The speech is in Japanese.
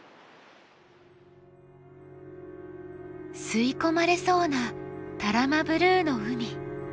吸い込まれそうな多良間ブルーの海。